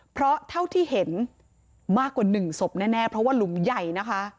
เพราะเท่าที่เห็นมากกว่า๑ศพแน่เพราะว่าหลุมใหญ่นะคะ